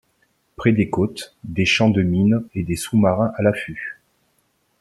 Près des côtes, des champs de mines et des sous-marins à l'affût.